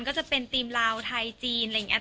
ก็จะเป็นทีมลาวไทยจีนอะไรอย่างนี้